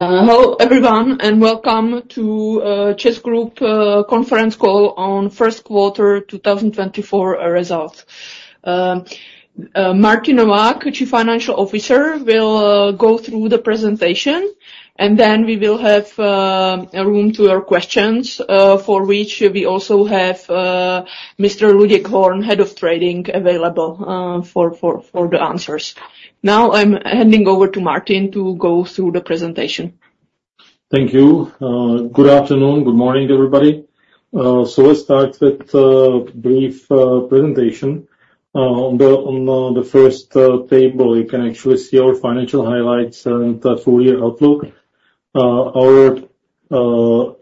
Hello everyone and welcome to CEZ Group conference call on first quarter 2024 results. Martin Novák, Chief Financial Officer, will go through the presentation, and then we will have room to your questions, for which we also have Mr. Luděk Horn, Head of Trading, available for the answers. Now I'm handing over to Martin to go through the presentation. Thank you. Good afternoon, good morning, everybody. So let's start with a brief presentation. On the first table you can actually see our financial highlights and full-year outlook. Our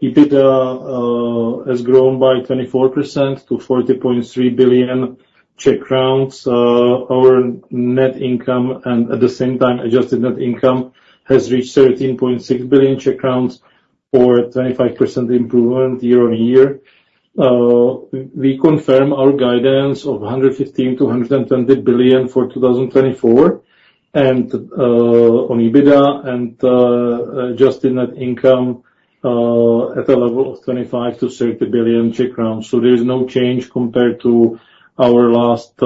EBITDA has grown by 24% to 40.3 billion. Our net income and, at the same time, adjusted net income has reached 13.6 billion Czech crowns, or a 25% improvement year-over-year. We confirm our guidance of 115 billion- 120 billion for 2024, and on EBITDA and adjusted net income at a level of 25 billion- 30 billion Czech crowns. So there is no change compared to our last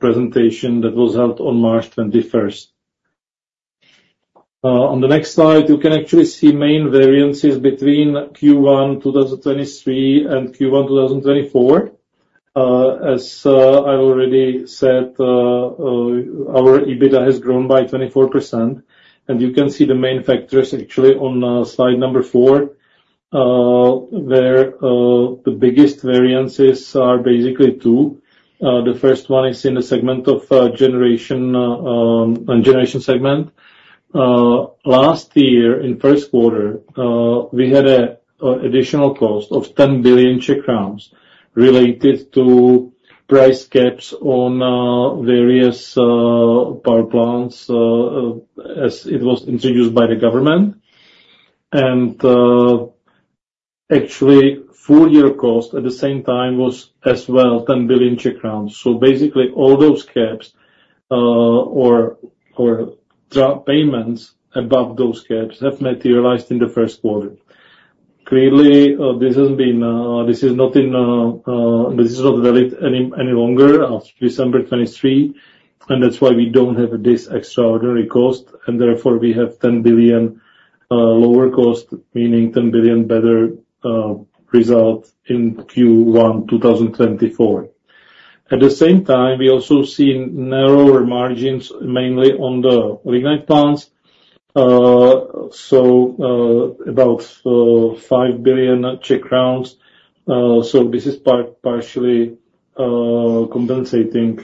presentation that was held on March 21st. On the next slide you can actually see main variances between Q1 2023 and Q1 2024. As I already said, our EBITDA has grown by 24%, and you can see the main factors actually on slide number four, where the biggest variances are basically two. The first one is in the segment of generation, generation segment. Last year in first quarter, we had an additional cost of 10 billion Czech crowns related to price caps on various power plants, as it was introduced by the government. And actually full-year cost at the same time was as well 10 billion Czech crowns. So basically all those caps, or or draw payments above those caps have materialized in the first quarter. Clearly, this has been, this is not in, this is not valid any any longer after December 2023, and that's why we don't have this extraordinary cost, and therefore we have 10 billion lower cost, meaning 10 billion better result in Q1 2024. At the same time we also see narrower margins mainly on the lignite plants, so about 5 billion Czech crowns. So this is partially compensating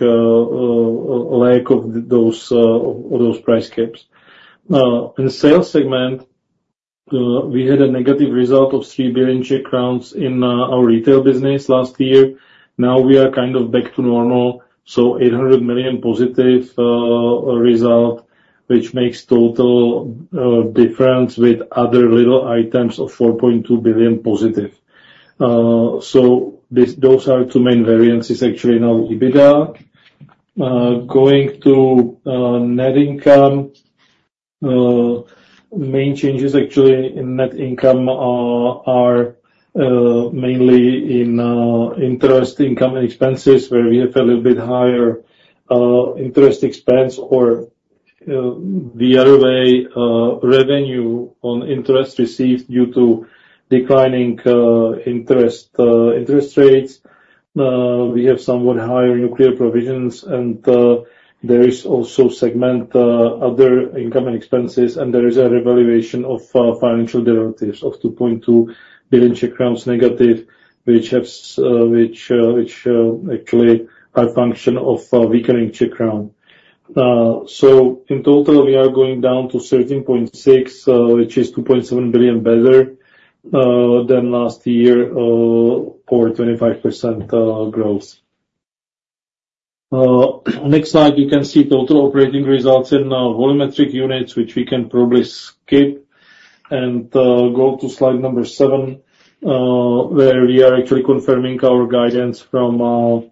lack of those price caps. In sales segment, we had a negative result of 3 billion in our retail business last year. Now we are kind of back to normal, so 800 million positive result, which makes total difference with other little items of 4.2 billion positive. So these are the two main variances actually in our EBITDA. Going to net income, main changes actually in net income are mainly in interest income and expenses where we have a little bit higher interest expense or the other way revenue on interest received due to declining interest rates. We have somewhat higher nuclear provisions, and there is also segment other income and expenses, and there is a revaluation of financial derivatives of 2.2 billion Czech crowns negative, which actually are a function of weakening Czech crown. So in total we are going down to 13.6 billion, which is 2.7 billion better than last year, for 25% growth. Next slide you can see total operating results in volumetric units, which we can probably skip and go to slide number seven, where we are actually confirming our guidance from March,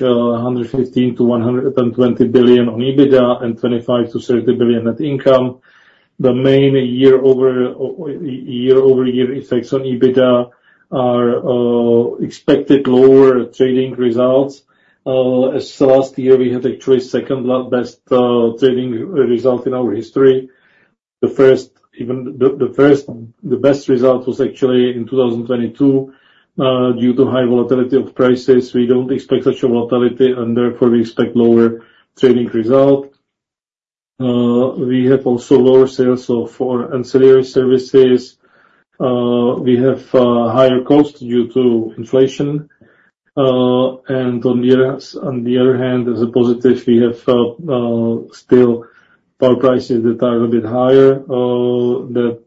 115 billion- 120 billion on EBITDA and 25 billion- 30 billion net income. The main year-over-year effects on EBITDA are expected lower trading results. As last year we had actually second largest trading result in our history. The best result was actually in 2022, due to high volatility of prices. We don't expect such a volatility, and therefore we expect lower trading result. We have also lower sales for ancillary services. We have higher cost due to inflation. And on the other hand, as a positive, we have still power prices that are a little bit higher, that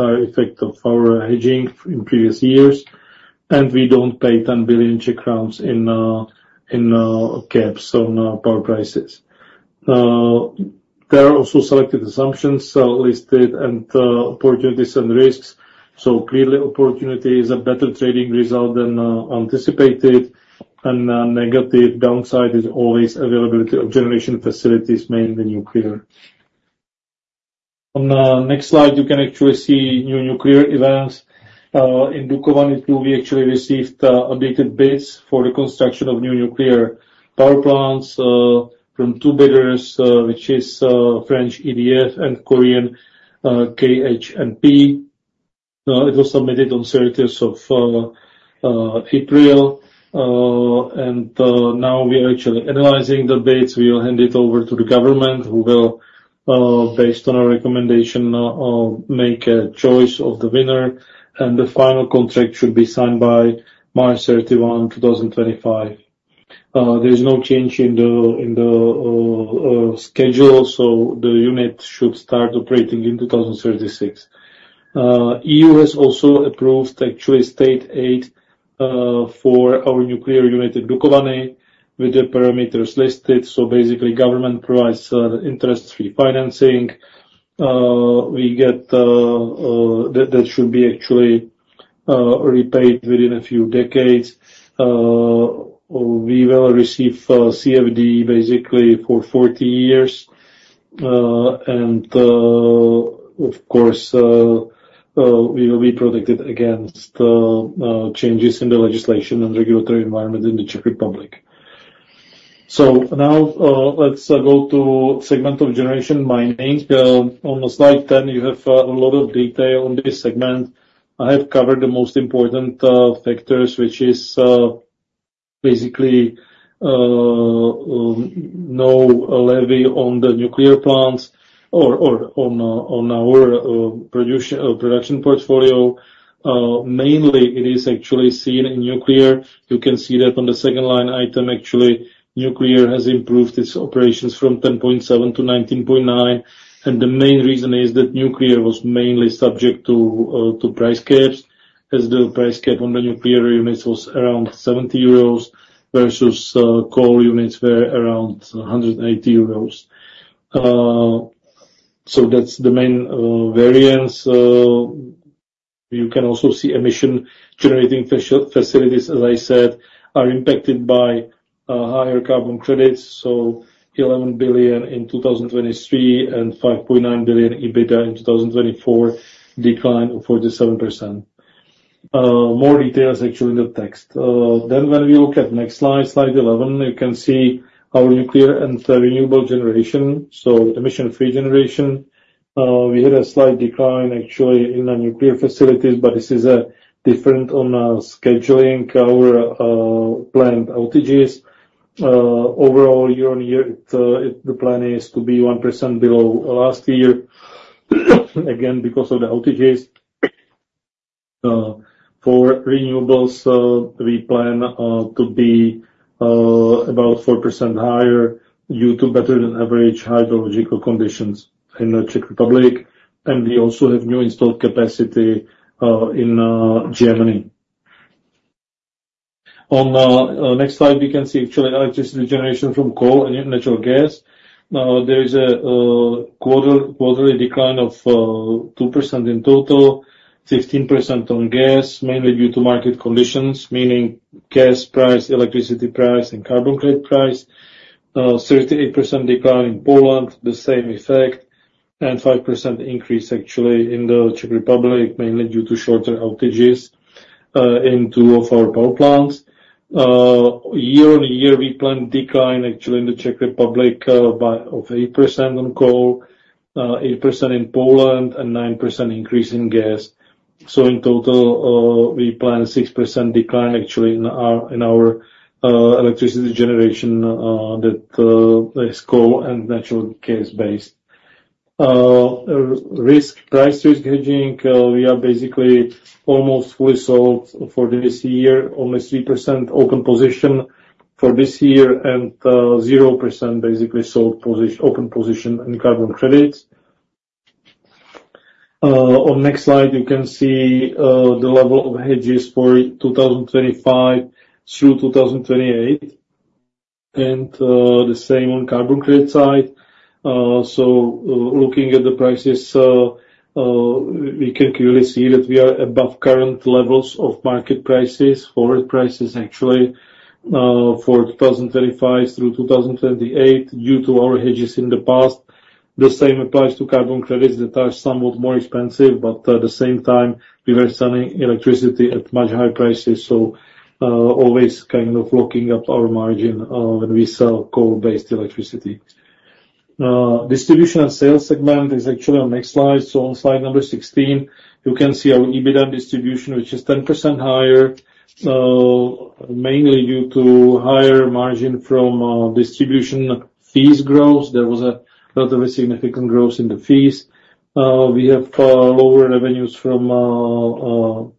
are effect of our hedging in previous years, and we don't pay 10 billion in caps on power prices. There are also selected assumptions listed, and opportunities and risks. So clearly opportunity is a better trading result than anticipated, and negative downside is always availability of generation facilities mainly nuclear. On next slide you can actually see new nuclear events. In Dukovany II we actually received updated bids for the construction of new nuclear power plants from two bidders, which is French EDF and Korean KHNP. It was submitted on 30th of April, and now we are actually analyzing the bids. We will hand it over to the government who will, based on our recommendation, make a choice of the winner, and the final contract should be signed by March 31, 2025. There is no change in the schedule, so the unit should start operating in 2036. EU has also approved actually state aid for our nuclear unit in Dukovany with the parameters listed. So basically government provides interest-free financing. We get that that should be actually repaid within a few decades. We will receive CFD basically for 40 years, and, of course, we will be protected against changes in the legislation and regulatory environment in the Czech Republic. So now, let's go to segment of generation mining. On slide 10 you have a lot of detail on this segment. I have covered the most important factors, which is basically no levy on the nuclear plants or on our production production portfolio. Mainly it is actually seen in nuclear. You can see that on the second line item actually nuclear has improved its operations from 10.7 to 19.9, and the main reason is that nuclear was mainly subject to price caps as the price cap on the nuclear units was around 70 euros versus coal units were around 180 euros. So that's the main variance. You can also see emission-generating facilities, as I said, are impacted by higher carbon credits, so 11 billion in 2023 and 5.9 billion EBITDA in 2024, decline of 47%. More details actually in the text. Then when we look at next slide, slide 11, you can see our nuclear and renewable generation, so emission-free generation. We had a slight decline actually in our nuclear facilities, but this is different on scheduling our planned outages. Overall year-on-year it, it the plan is to be 1% below last year, again because of the outages. For renewables, we plan to be about 4% higher due to better than average hydrological conditions in the Czech Republic, and we also have new installed capacity in Germany. On next slide we can see actually electricity generation from coal and natural gas. There is a quarter-over-quarter decline of 2% in total, 15% on gas, mainly due to market conditions, meaning gas price, electricity price, and carbon credit price. 38% decline in Poland, the same effect, and 5% increase actually in the Czech Republic, mainly due to shorter outages in two of our power plants. Year-over-year we plan decline actually in the Czech Republic, by of 8% on coal, 8% in Poland, and 9% increase in gas. So in total, we plan 6% decline actually in our electricity generation, that is coal and natural gas-based. For price risk hedging, we are basically almost fully sold for this year, only 3% open position for this year, and 0% basically open position in carbon credits. On next slide you can see the level of hedges for 2025 through 2028, and the same on carbon credit side. So, looking at the prices, we can clearly see that we are above current levels of market prices, forward prices actually, for 2025 through 2028 due to our hedges in the past. The same applies to carbon credits that are somewhat more expensive, but at the same time we were selling electricity at much higher prices, so always kind of locking up our margin when we sell coal-based electricity. Distribution and sales segment is actually on next slide. So on slide number 16 you can see our EBITDA distribution, which is 10% higher, mainly due to higher margin from distribution fees growth. There was a relatively significant growth in the fees. We have lower revenues from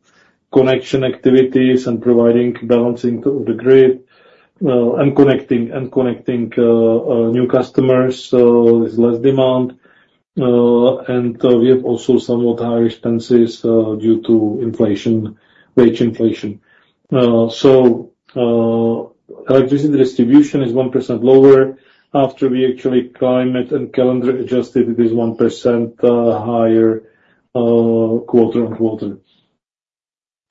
connection activities and providing balancing to the grid, and connecting new customers, so there's less demand. We have also somewhat higher expenses due to inflation, wage inflation. So, electricity distribution is 1% lower. After we actually climate and calendar adjusted it is 1% higher, quarter-on-quarter.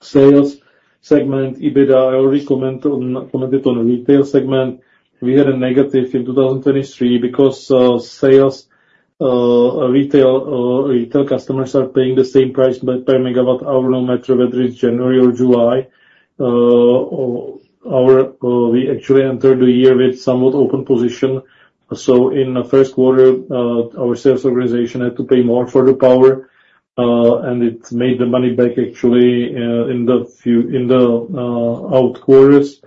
Sales segment EBITDA I already commented on the retail segment. We had a negative in 2023 because sales, retail customers are paying the same price per megawatt hour now, whether it's January or July. So we actually entered the year with somewhat open position. So in the first quarter, our sales organization had to pay more for the power, and it made the money back actually, in the out quarters.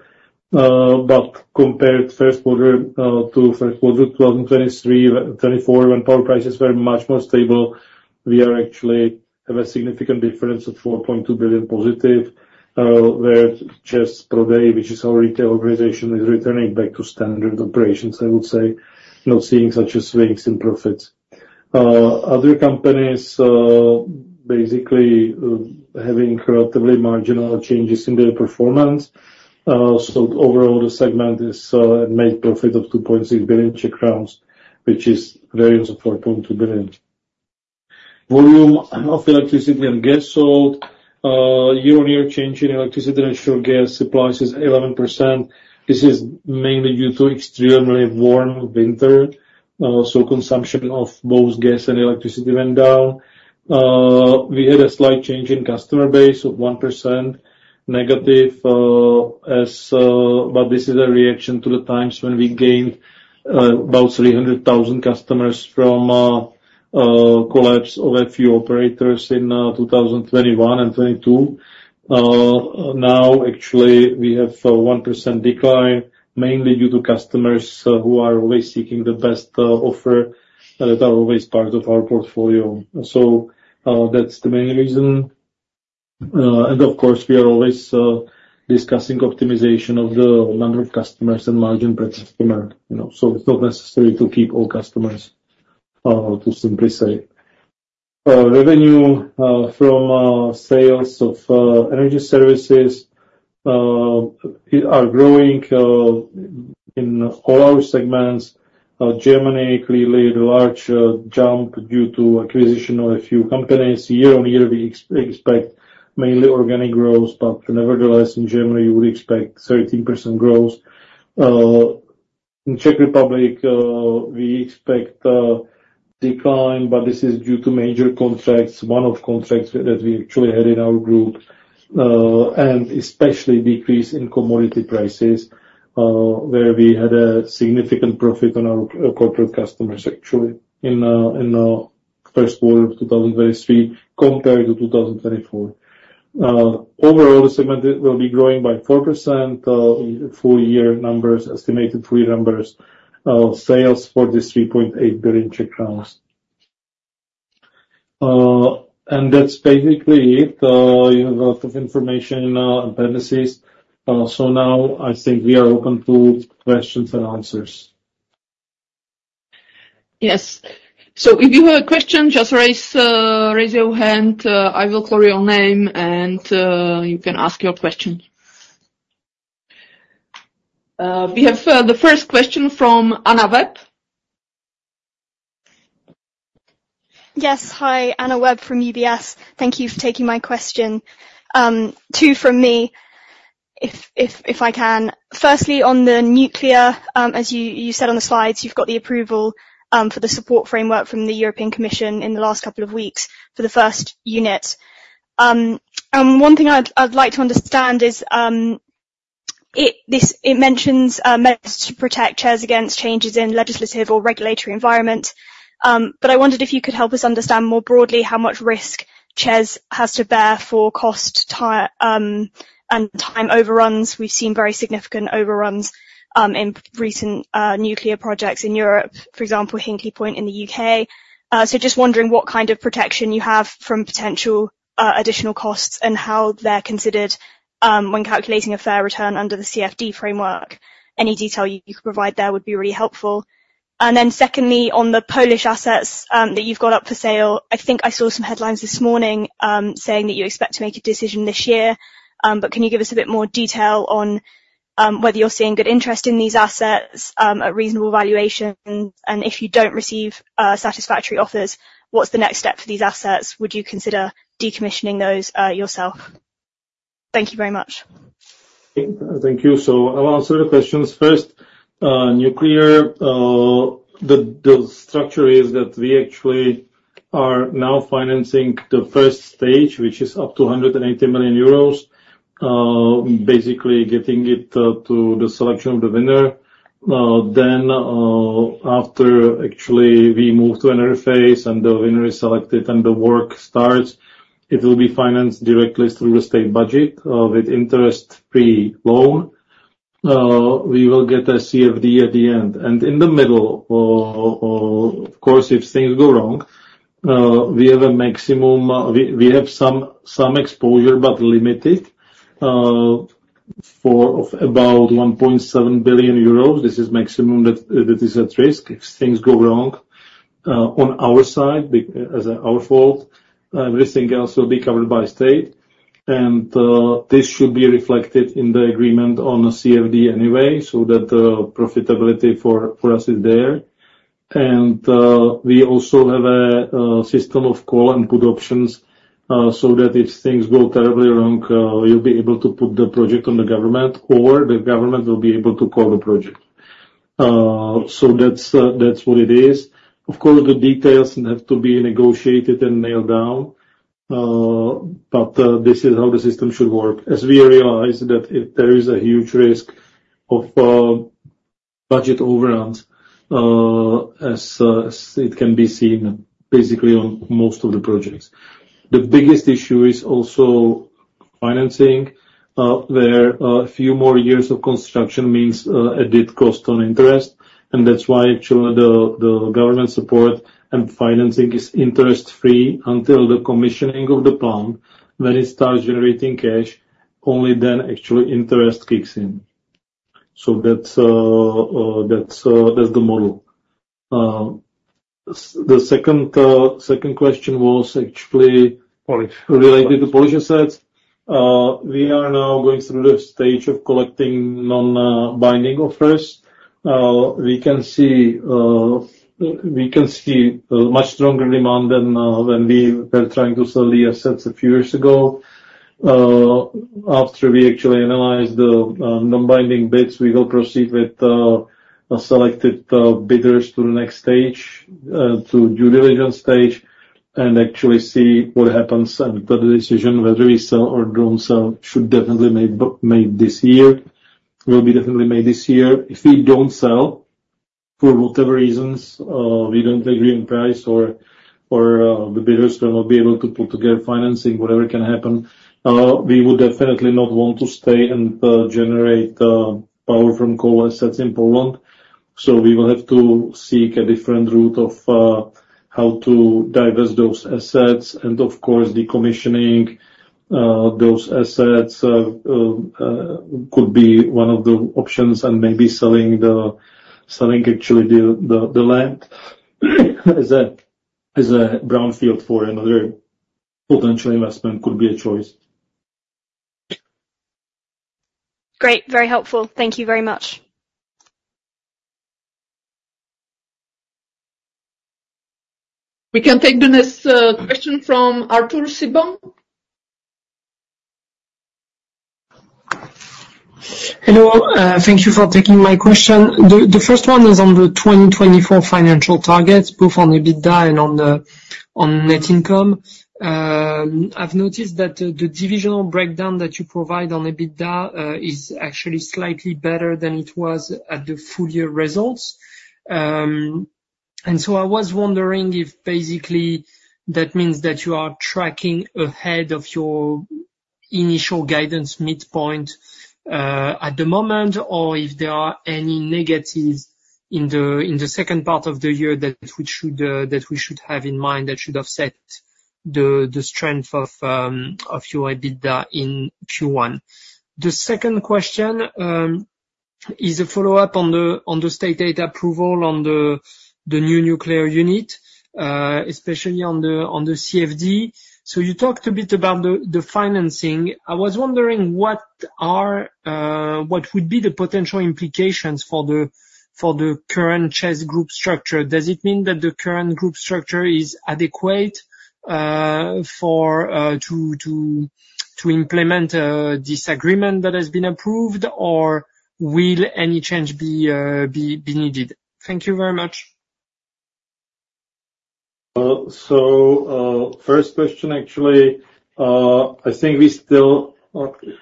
But compared first quarter to first quarter 2023, 2024 when power prices were much more stable, we actually have a significant difference of 4.2 billion positive, where ČEZ Prodej, which is our retail organization, is returning back to standard operations, I would say, not seeing such swings in profits. Other companies, basically, having relatively marginal changes in their performance. So overall the segment is, it made profit of 2.6 billion Czech crowns, which is variance of 4.2 billion. Volume of electricity and gas sold. Year-on-year change in electricity and natural gas supplies is 11%. This is mainly due to extremely warm winter, so consumption of both gas and electricity went down. We had a slight change in customer base of 1% negative, as, but this is a reaction to the times when we gained, about 300,000 customers from, collapse of a few operators in, 2021 and 2022. Now actually we have, 1% decline, mainly due to customers, who are always seeking the best, offer, that are always part of our portfolio. So, that's the main reason. Of course we are always discussing optimization of the number of customers and margin per customer, you know, so it's not necessary to keep all customers, to simply say. Revenue from sales of energy services are growing in all our segments. Germany clearly the large jump due to acquisition of a few companies. Year-on-year we expect mainly organic growth, but nevertheless in Germany you would expect 13% growth. In Czech Republic, we expect decline, but this is due to major contracts, one of contracts that we actually had in our group, and especially decrease in commodity prices, where we had a significant profit on our corporate customers actually in first quarter of 2023 compared to 2024. Overall the segment it will be growing by 4%, full year numbers, estimated full year numbers, sales for this 3.8 billion Czech crowns. And that's basically it. You have a lot of information in appendices. Now I think we are open to questions and answers. Yes. So if you have a question just raise your hand. I will call your name and you can ask your question. We have the first question from Anna Webb. Yes. Hi, Anna Webb from UBS. Thank you for taking my question. Two from me if I can. Firstly, on the nuclear, as you said on the slides you've got the approval for the support framework from the European Commission in the last couple of weeks for the first unit. And one thing I'd like to understand is it mentions measures to protect ČEZ against changes in legislative or regulatory environment. But I wondered if you could help us understand more broadly how much risk ČEZ has to bear for cost and time overruns. We've seen very significant overruns in recent nuclear projects in Europe, for example Hinkley Point in the UK. So just wondering what kind of protection you have from potential additional costs and how they're considered when calculating a fair return under the CFD framework. Any detail you could provide there would be really helpful. And then secondly, on the Polish assets that you've got up for sale. I think I saw some headlines this morning, saying that you expect to make a decision this year. But can you give us a bit more detail on whether you're seeing good interest in these assets at reasonable valuations, and if you don't receive satisfactory offers, what's the next step for these assets? Would you consider decommissioning those yourself? Thank you very much. Thank you. So I'll answer the questions. First, nuclear, the structure is that we actually are now financing the first stage, which is up to 180 million euros, basically getting it to the selection of the winner. Then, after actually we move to another phase and the winner is selected and the work starts, it will be financed directly through the state budget, with interest-free loan. We will get a CFD at the end. And in the middle, of course if things go wrong, we have a maximum we have some exposure but limited, for of about 1.7 billion euros. This is maximum that that is at risk if things go wrong, on our side be as a our fault. Everything else will be covered by state. And, this should be reflected in the agreement on a CFD anyway so that the profitability for, for us is there. And, we also have a system of call and put options, so that if things go terribly wrong, you'll be able to put the project on the government or the government will be able to call the project. So that's, that's what it is. Of course the details have to be negotiated and nailed down, but this is how the system should work. As we realize that if there is a huge risk of budget overruns, as, as it can be seen basically on most of the projects. The biggest issue is also financing, where a few more years of construction means added cost on interest. And that's why actually the government support and financing is interest-free until the commissioning of the plant. When it starts generating cash, only then actually interest kicks in. So that's the model. As the second question was actually Polish, related to Polish assets. We are now going through the stage of collecting non-binding offers. We can see much stronger demand than when we were trying to sell the assets a few years ago. After we actually analyze the non-binding bids, we will proceed with selected bidders to the next stage, to due diligence stage, and actually see what happens and the decision whether we sell or don't sell should definitely be made this year. It will definitely be made this year. If we don't sell for whatever reasons, we don't agree on price or the bidders will not be able to put together financing, whatever can happen, we would definitely not want to stay and generate power from coal assets in Poland. So we will have to seek a different route of how to divest those assets. And of course decommissioning those assets could be one of the options and maybe selling actually the land as a brownfield for another potential investment could be a choice. Great. Very helpful. Thank you very much. We can take the next question from Arthur Sitbon. Hello. Thank you for taking my question. The, the first one is on the 2024 financial targets, both on EBITDA and on, on net income. I've noticed that the, the divisional breakdown that you provide on EBITDA, is actually slightly better than it was at the full year results. And so I was wondering if basically that means that you are tracking ahead of your initial guidance midpoint, at the moment or if there are any negatives in the in the second part of the year that we should, that we should have in mind that should offset the, the strength of, of your EBITDA in Q1. The second question, is a follow-up on the on the state data approval on the, the new nuclear unit, especially on the on the CFD. So you talked a bit about the, the financing. I was wondering what would be the potential implications for the current ČEZ Group structure? Does it mean that the current group structure is adequate for to implement this agreement that has been approved or will any change be needed? Thank you very much. So, first question actually, I think we still,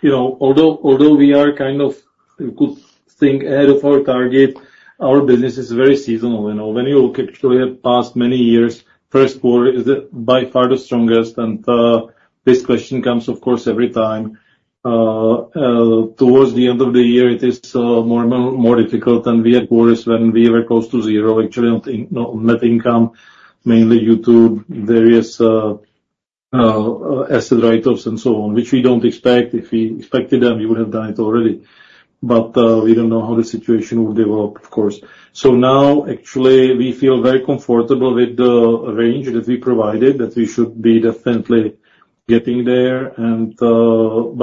you know, although we are kind of, we could think ahead of our target, our business is very seasonal, you know. When you look actually at past many years, first quarter is by far the strongest. And, this question comes of course every time. Towards the end of the year it is more difficult and we had worries when we were close to zero actually on EBITDA, no, on net income, mainly due to various asset write-offs and so on, which we don't expect. If we expected them we would have done it already. But, we don't know how the situation will develop of course. So now actually we feel very comfortable with the range that we provided that we should be definitely getting there.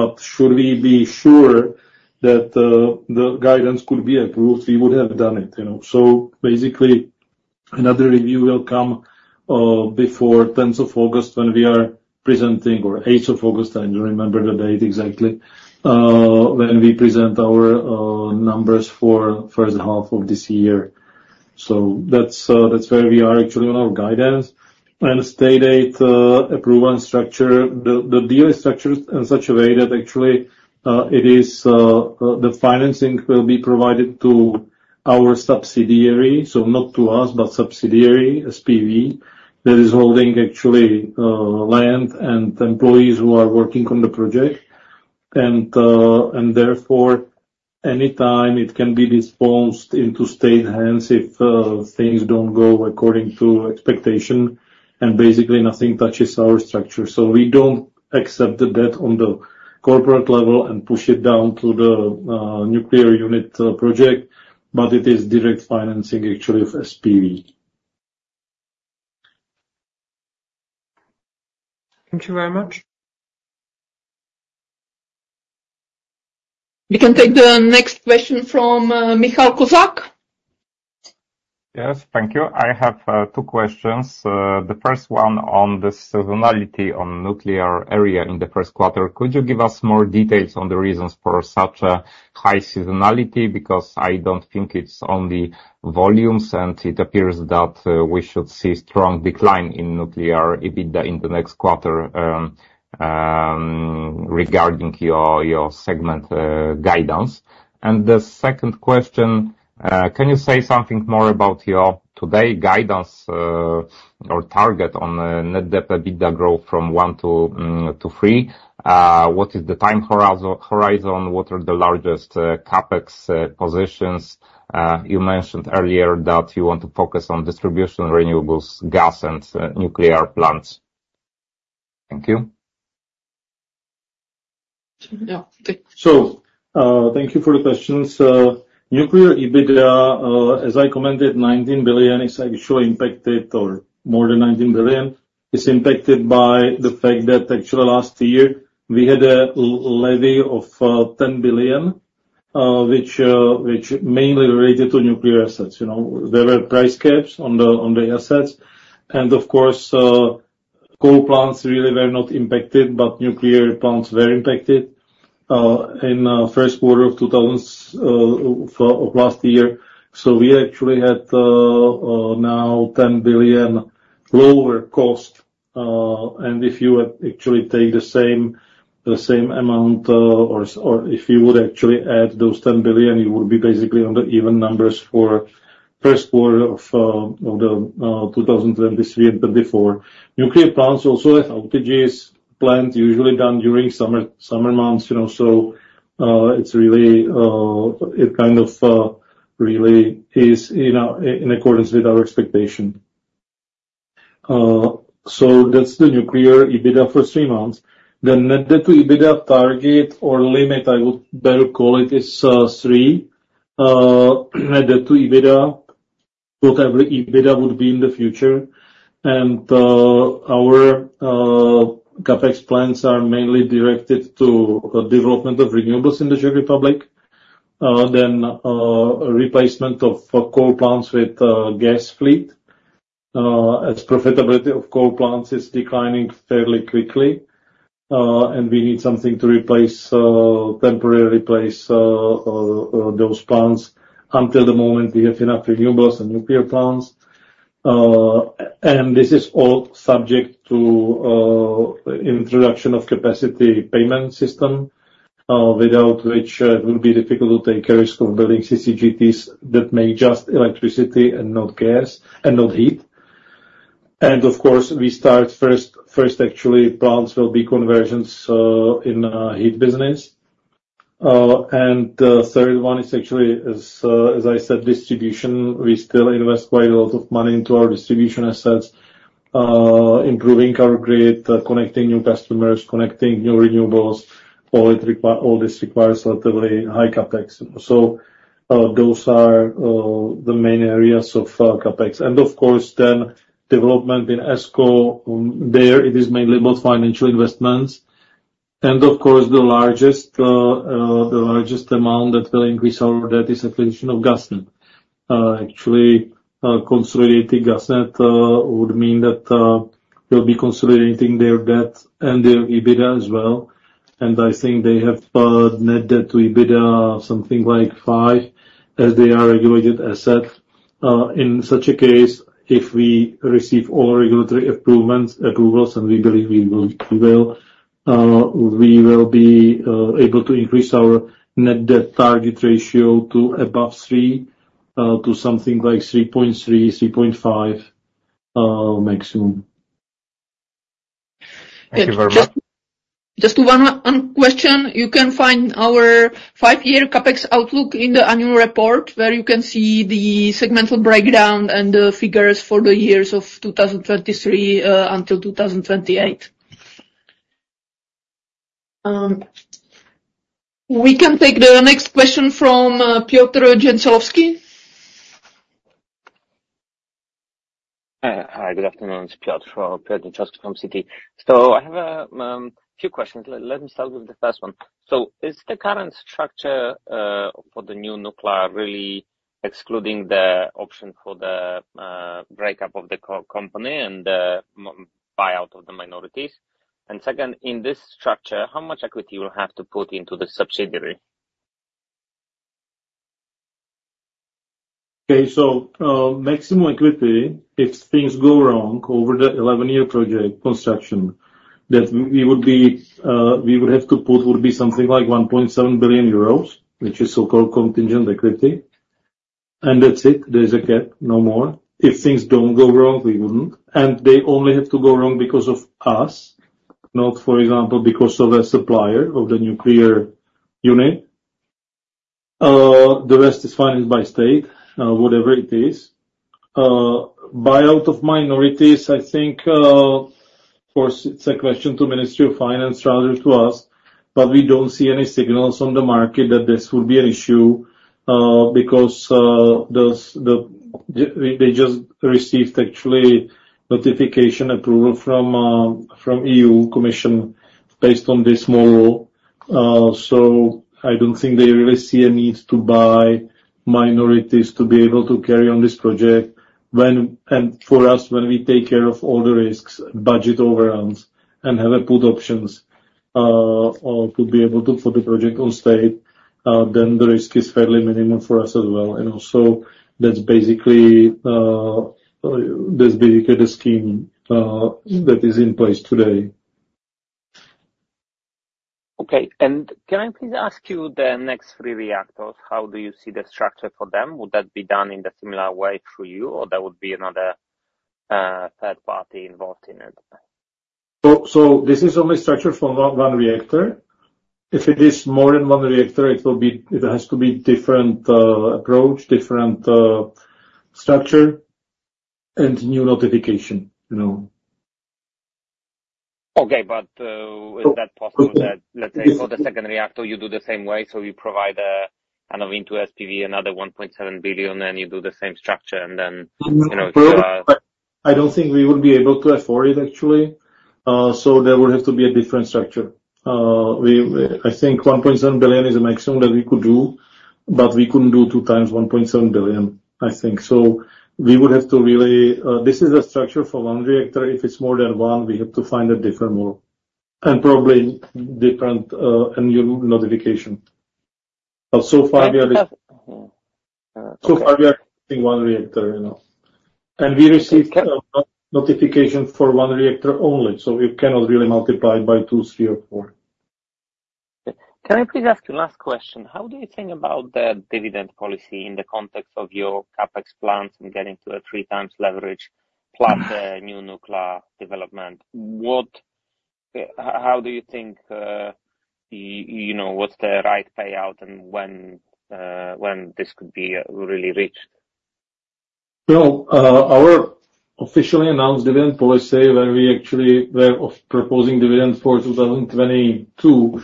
But should we be sure that the guidance could be approved, we would have done it, you know. So basically another review will come before 10th of August when we are presenting or 8th of August. I don't remember the date exactly, when we present our numbers for first half of this year. So that's where we are actually on our guidance. And state aid approval and structure. The deal is structured in such a way that actually it is the financing will be provided to our subsidiary, so not to us but subsidiary SPV that is holding actually land and employees who are working on the project. And therefore anytime it can be disposed into state hands if things don't go according to expectation and basically nothing touches our structure. So we don't accept the debt on the corporate level and push it down to the nuclear unit project, but it is direct financing actually of SPV. Thank you very much. We can take the next question from Michal Kozak. Yes. Thank you. I have two questions. The first one on the seasonality on nuclear area in the first quarter. Could you give us more details on the reasons for such a high seasonality? Because I don't think it's only volumes and it appears that we should see strong decline in nuclear EBITDA in the next quarter, regarding your segment guidance. And the second question, can you say something more about your today guidance, or target on net debt EBITDA growth from one to three? What is the time horizon? What are the largest CapEx positions? You mentioned earlier that you want to focus on distribution, renewables, gas, and nuclear plants. Thank you. So, thank you for the questions. Nuclear EBITDA, as I commented, 19 billion is actually impacted or more than 19 billion is impacted by the fact that actually last year we had a levy of 10 billion, which mainly related to nuclear assets, you know. There were price gaps on the assets. And of course, coal plants really were not impacted but nuclear plants were impacted in first quarter of 2020s of last year. So we actually had now 10 billion lower cost. And if you actually take the same amount, or if you would actually add those 10 billion you would be basically on the even numbers for first quarter of the 2023 and 2024. Nuclear plants also have outages. Plants usually done during summer months, you know. So, it's really in accordance with our expectation. So that's the nuclear EBITDA for 3 months. The net debt to EBITDA target or limit I would better call it is 3, net debt to EBITDA whatever EBITDA would be in the future. Our CapEx plans are mainly directed to development of renewables in the Czech Republic, then replacement of coal plants with gas fleet, as profitability of coal plants is declining fairly quickly, and we need something to replace, temporarily replace, those plants until the moment we have enough renewables and nuclear plants. And this is all subject to introduction of capacity payment system, without which it would be difficult to take a risk of building CCGTs that make just electricity and not gas and not heat. And of course we start first; actually plants will be conversions in heat business. And the third one is actually as I said distribution. We still invest quite a lot of money into our distribution assets, improving our grid, connecting new customers, connecting new renewables. All this requires relatively high CapEx. So, those are the main areas of CapEx. And of course then development in ESCO there it is mainly about financial investments. And of course the largest amount that will increase our debt is affiliation of GasNet. Actually, consolidating GasNet would mean that they will be consolidating their debt and their EBITDA as well. And I think they have net debt to EBITDA something like 5 as they are regulated assets. In such a case, if we receive all regulatory approvals and we believe we will, we will be able to increase our net debt target ratio to above three, to something like 3.3-3.5, maximum. Thank you very much. Just one question. You can find our five-year CapEx outlook in the annual report where you can see the segmental breakdown and the figures for the years of 2023 until 2028. We can take the next question from Piotr Dzieciołowski. Hi. Good afternoon. It's Piotr Dzieciołowski from Citi. So I have a few questions. Let me start with the first one. So is the current structure for the new nuclear really excluding the option for the breakup of the company and the minority buyout of the minorities? And second, in this context, how much equity you will have to put into the subsidiary? Okay. So, maximum equity if things go wrong over the 11-year project construction that we would have to put would be something like 1.7 billion euros, which is so-called contingent equity. And that's it. There's a cap. No more. If things don't go wrong we wouldn't. And they only have to go wrong because of us, not for example because of a supplier of the nuclear unit. The rest is financed by state, whatever it is. Buyout of minorities I think, of course it's a question to Ministry of Finance rather to us, but we don't see any signals on the market that this would be an issue, because they just received actually notification approval from the EU Commission based on this model. I don't think they really see a need to buy minorities to be able to carry on this project when and for us when we take care of all the risks, budget overruns, and have a put options, to be able to put the project on state, then the risk is fairly minimal for us as well, you know. So that's basically, that's basically the scheme, that is in place today. Okay. Can I please ask you the next three reactors? How do you see the structure for them? Would that be done in the similar way through you or there would be another, third party involved in it? This is only structured for one reactor. If it is more than one reactor, it has to be different approach, different structure and new notification, you know. Okay. But is that possible that let's say for the second reactor you do the same way? So you provide a kind of into SPV another 1.7 billion and you do the same structure and then, you know, if, I don't think we would be able to afford it actually. So there would have to be a different structure. We I think 1.7 billion is a maximum that we could do, but we couldn't do two times 1.7 billion I think. So we would have to really this is the structure for one reactor. If it's more than one we have to find a different model and probably different, and new notification. But so far we are. And. So far we are using one reactor, you know. And we receive no notification for one reactor only. So you cannot really multiply by two, three, or four. Okay. Can I please ask you last question? How do you think about the dividend policy in the context of your CapEx plans and getting to a three times leverage plus the new nuclear development? What, how do you think, you know, what's the right payout and when this could be really reached? Well, our officially announced dividend policy when we actually were proposing dividend for 2022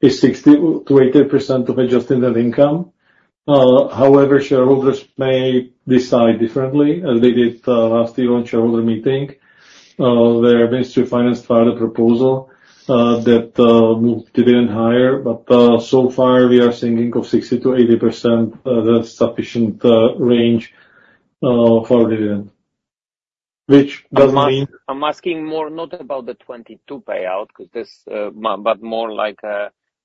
is 60%-80% of adjusted net income. However, shareholders may decide differently as they did last year on shareholder meeting. Their Ministry of Finance filed a proposal that moved dividend higher, but so far we are thinking of 60%-80% as a sufficient range for dividend, which does mean. I'm asking more not about the 2022 payout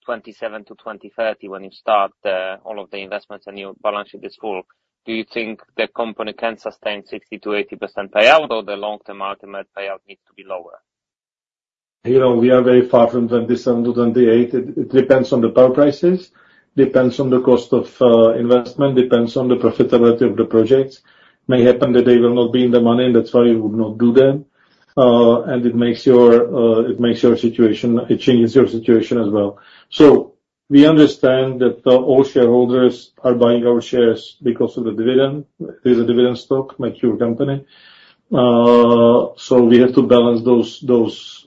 because this, but more like 2027-2030 when you start all of the investments and your balance sheet is full. Do you think the company can sustain 60%-80% payout or the long-term ultimate payout needs to be lower? You know, we are very far from 2027 to 2028. It, it depends on the power prices. Depends on the cost of, investment. Depends on the profitability of the projects. May happen that they will not be in the money and that's why you would not do them. And it makes your, it makes your situation it changes your situation as well. So we understand that, all shareholders are buying our shares because of the dividend. It is a dividend stock, mature company. So we have to balance those, those,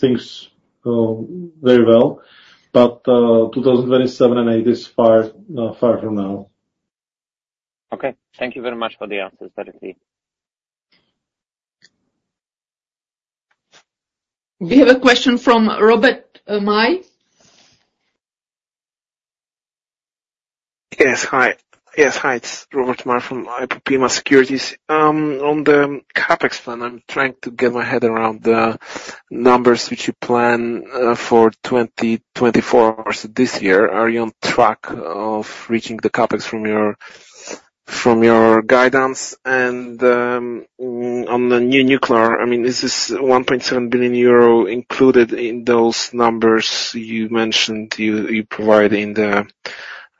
things, very well. But, 2027 and 2030 is far, far from now. Okay. Thank you very much for the answers, Cheers, Martin. We have a question from Robert Maj. Yes. Hi. Yes, hi. It's Robert Maj from IPOPEMA Securities. On the CapEx plan I'm trying to get my head around the numbers which you plan for 2024 so this year. Are you on track of reaching the CapEx from your guidance? And on the new nuclear I mean, is this 1.7 billion euro included in those numbers you mentioned you provided in the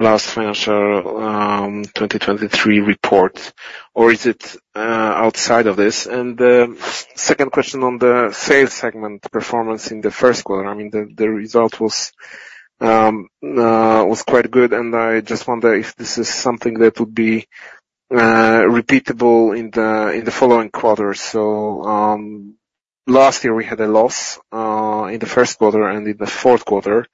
last financial 2023 report or is it outside of this? And the second question on the sales segment performance in the first quarter. I mean, the result was quite good and I just wonder if this is something that would be repeatable in the following quarters. So last year we had a loss in the first quarter and in the fourth quarter,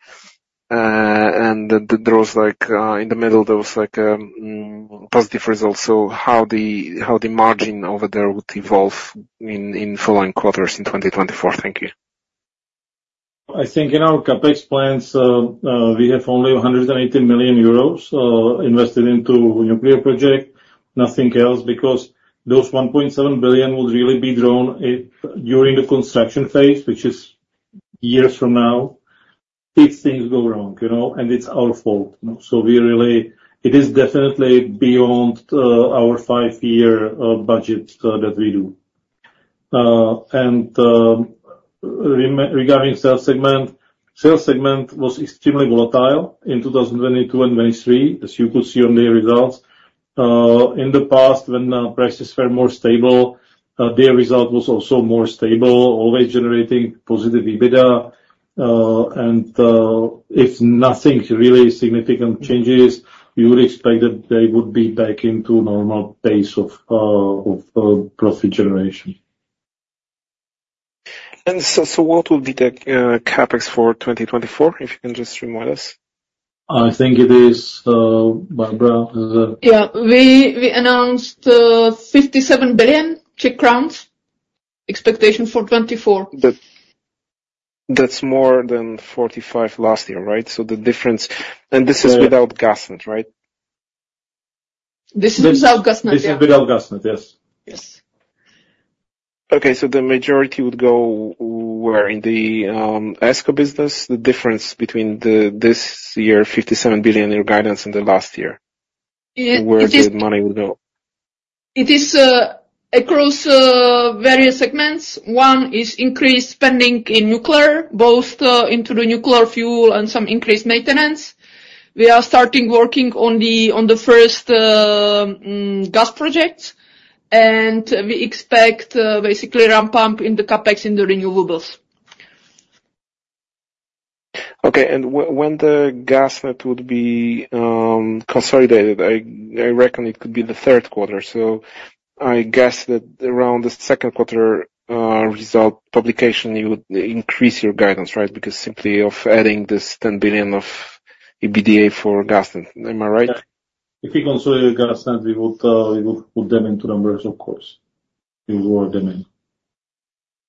and there was like in the middle there was like a positive result. So how the margin over there would evolve in following quarters in 2024? Thank you. I think in our CapEx plans, we have only 180 million euros invested into nuclear project. Nothing else because those 1.7 billion would really be drawn if during the construction phase, which is years from now, if things go wrong, you know, and it's our fault, you know. So we really it is definitely beyond our five-year budget that we do. And remember regarding sales segment sales segment was extremely volatile in 2022 and 2023 as you could see on the results. In the past when the prices were more stable, their result was also more stable, always generating positive EBITDA. And if nothing really significant changes you would expect that they would be back into normal pace of profit generation. So, what would be the CapEx for 2024 if you can just remind us? I think it is, Barbara, is it? Yeah. We announced 57 billion Czech crowns expectation for 2024. That, that's more than 45 last year, right? So the difference and this is without GasNet, right? This is without GasNet, yeah. This is without GasNet, yes. Yes. Okay. So the majority would go where? In the ESCO business? The difference between this year’s 57 billion in your guidance and last year’s? Where would the money go? It is across various segments. One is increased spending in nuclear, both into the nuclear fuel and some increased maintenance. We are starting working on the first gas projects and we expect basically ramp up in the CapEx in the renewables. Okay. And when the GasNet would be consolidated, I reckon it could be the third quarter. So I guess that around the second quarter results publication you would increase your guidance, right? Because simply of adding this 10 billion of EBITDA for GasNet. Am I right? Yeah. If we consolidate GasNet we would, we would put them into numbers of course. We would add them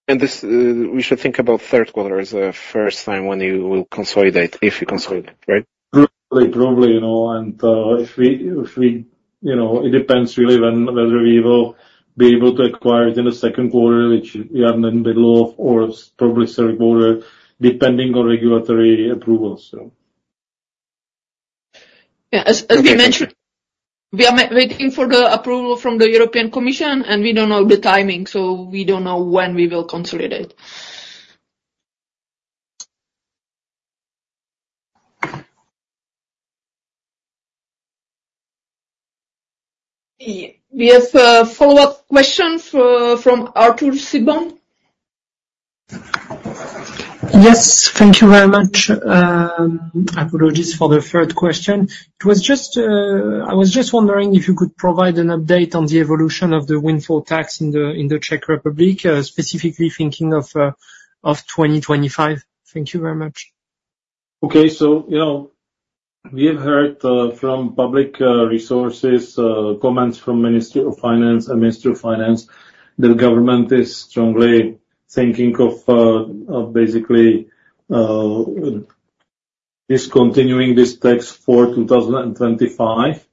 in. This, we should think about third quarter as the first time when you will consolidate if you consolidate, right? Probably. Probably, you know. And if we, you know, it depends really when whether we will be able to acquire it in the second quarter, which we are in the middle of, or probably third quarter depending on regulatory approvals, you know. Yeah. As we mentioned, we are waiting for the approval from the European Commission and we don't know the timing so we don't know when we will consolidate. We have follow-up question from Arthur Sitbon. Yes. Thank you very much. Apologies for the third question. It was just, I was just wondering if you could provide an update on the evolution of the windfall tax in the Czech Republic, specifically thinking of 2025. Thank you very much. Okay. So, you know, we have heard from public resources comments from Ministry of Finance and Ministry of Finance that government is strongly thinking of basically discontinuing this tax for 2025.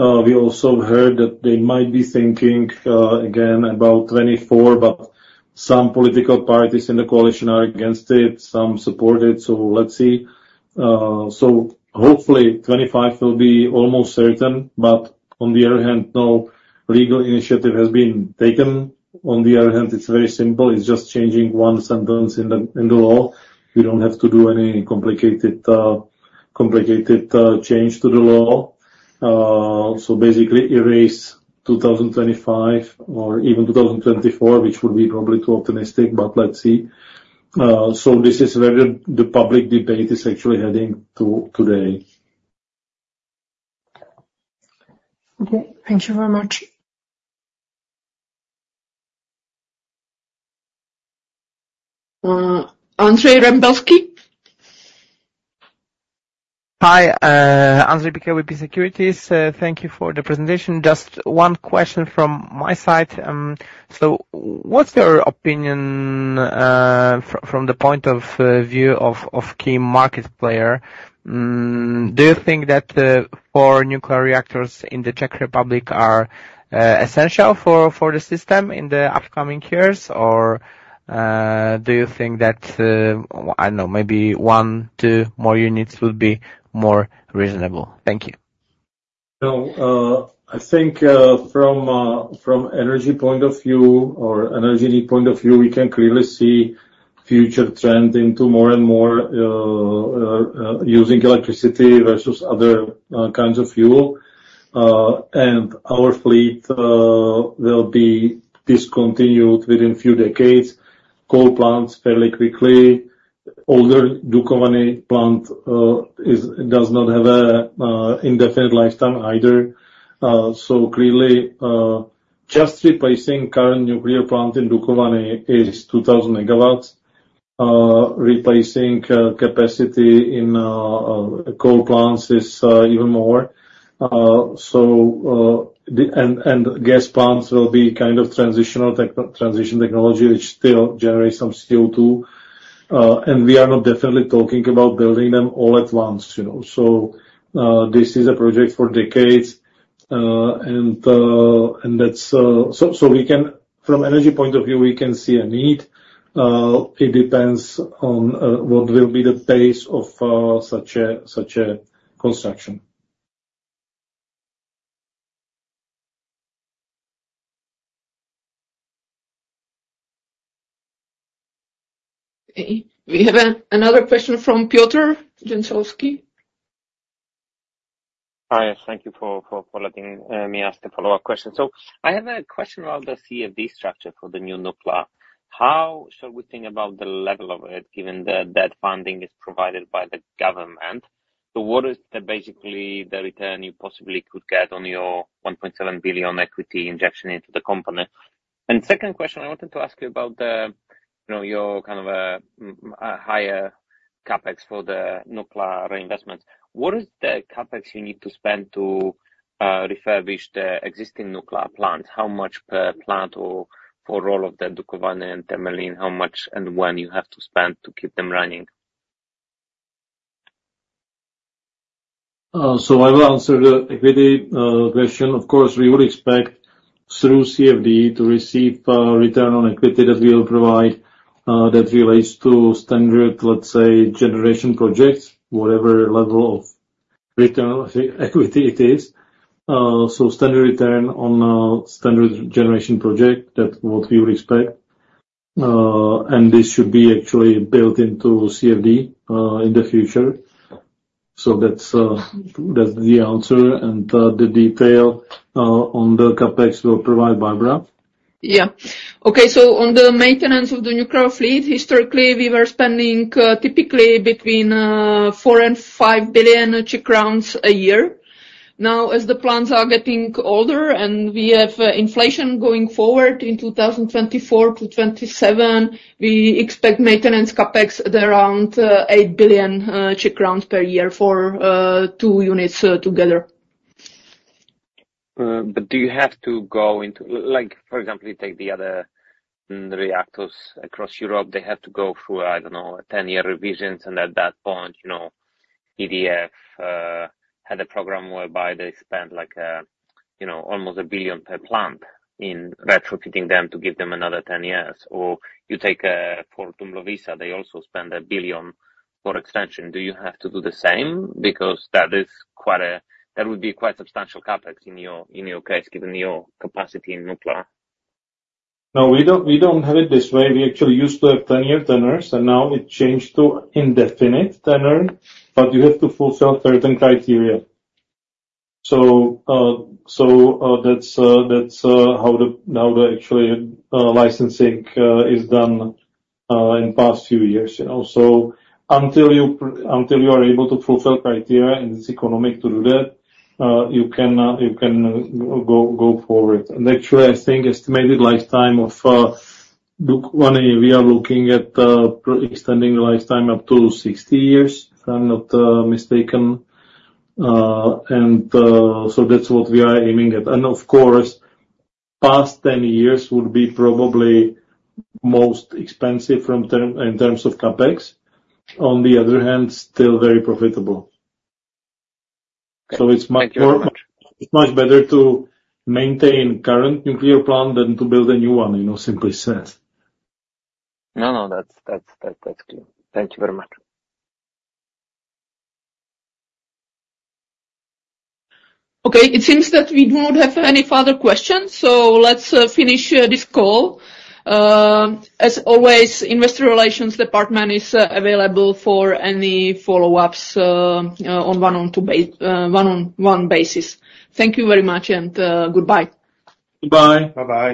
We also heard that they might be thinking again about 2024 but some political parties in the coalition are against it, some support it so let's see. So hopefully 2025 will be almost certain but on the other hand no legal initiative has been taken. On the other hand it's very simple. It's just changing one sentence in the law. We don't have to do any complicated change to the law. So basically erase 2025 or even 2024 which would be probably too optimistic but let's see. So this is where the public debate is actually heading to today. Okay. Thank you very much. Andrzej Rembelski. Hi. Andrzej Rembelski with PKO BP Securities. Thank you for the presentation. Just one question from my side. What's your opinion, from the point of view of key market player? Do you think that four nuclear reactors in the Czech Republic are essential for the system in the upcoming years or do you think that I don't know, maybe one, two more units would be more reasonable? Thank you. No, I think, from energy point of view or energy need point of view we can clearly see future trend into more and more using electricity versus other kinds of fuel. And our fleet will be discontinued within a few decades. Coal plants fairly quickly. Older Dukovany plant does not have a indefinite lifetime either. So clearly, just replacing current nuclear plant in Dukovany is 2,000 megawatts. Replacing capacity in coal plants is even more. So the and gas plants will be kind of transitional technology which still generates some CO2. And we are not definitely talking about building them all at once, you know. So this is a project for decades. And that's so we can from energy point of view see a need. It depends on what will be the pace of such a construction. Okay. We have another question from Piotr Dzieciołowski. Hi. Thank you for letting me ask the follow-up question. So I have a question about the CFD structure for the new nuclear. How should we think about the level of it given that that funding is provided by the government? So what is basically the return you possibly could get on your 1.7 billion equity injection into the company? And second question I wanted to ask you about the, you know, your kind of a higher CapEx for the nuclear reinvestments. What is the CapEx you need to spend to refurbish the existing nuclear plants? How much per plant or for all of the Dukovany and Temelín, how much and when you have to spend to keep them running? I will answer the equity question. Of course we would expect through CFD to receive return on equity that we will provide, that relates to standard, let's say, generation projects, whatever level of return, I think, equity it is. Standard return on standard generation project, that's what we would expect. This should be actually built into CFD in the future. So that's the answer and the detail on the CapEx, Barbara will provide. Yeah. Okay. So on the maintenance of the nuclear fleet, historically we were spending typically between 4 billion and 5 billion Czech crowns a year. Now as the plants are getting older and we have inflation going forward in 2024 to 2027 we expect maintenance CapEx at around 8 billion Czech crowns per year for two units together. Do you have to go into like, for example, you take the other reactors across Europe, they have to go through, I don't know, a 10-year revisions and at that point, you know, EDF had a program whereby they spent like, you know, almost 1 billion per plant in retrofitting them to give them another 10 years. Or you take Fortum Loviisa, they also spend 1 billion for extension. Do you have to do the same because that is quite a that would be quite substantial CapEx in your in your case given your capacity in nuclear? No, we don't have it this way. We actually used to have 10-year tenors and now it changed to indefinite tenor but you have to fulfill certain criteria. So, that's how the licensing actually is done in past few years, you know. So until you are able to fulfill criteria and it's economic to do that, you can go forward. And actually I think estimated lifetime of Dukovany we are looking at, extending the lifetime up to 60 years if I'm not mistaken. And so that's what we are aiming at. And of course past 10 years would be probably most expensive in terms of CapEx. On the other hand still very profitable. So it's much more. Thank you very much. It's much better to maintain current nuclear plant than to build a new one, you know, simply said. No, no. That's clear. Thank you very much. Okay. It seems that we do not have any further questions so let's finish this call. As always, Investor Relations Department is available for any follow-ups on a one-on-one basis. Thank you very much and goodbye. Goodbye. Bye-bye.